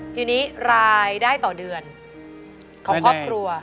ทีนี้รายได้ต่อเดือนของครอบครัว